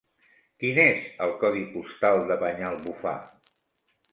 Quin és el codi postal de Banyalbufar?